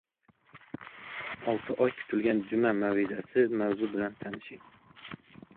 Olti oy kutilgan juma mav’izasi mavzusi bilan tanishing